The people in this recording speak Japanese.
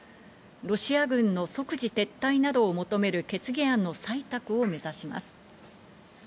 ロシア軍の即時撤退などを求める、決議案の採択を目指します。